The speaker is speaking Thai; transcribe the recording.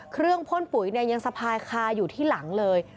พ่นปุ๋ยเนี่ยยังสะพายคาอยู่ที่หลังเลย